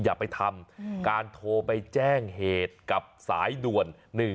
อย่าไปทำการโทรไปแจ้งเหตุกับสายด่วน๑๒